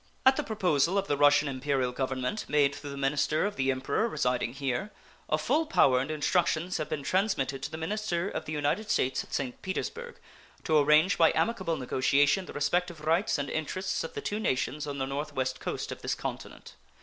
At the proposal of the Russian Imperial Government, made through the minister of the Emperor residing here, a full power and instructions have been transmitted to the minister of the United States at St. Petersburg to arrange by amicable negotiation the respective rights and interests of the two nations on the North West coast of this continent.